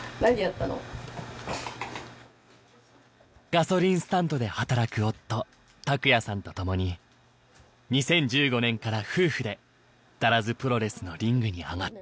ガソリンスタンドで働く夫卓也さんとともに２０１５年から夫婦でだらずプロレスのリングに上がっています。